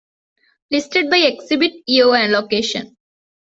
Listed by exhibit year and location.